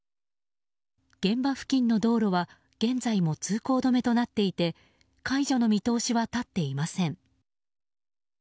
現場付近の道路は現在も通行止めとなっていて解除の見通しは立っていません。